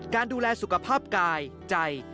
การดูแลสุขภาพกายใจ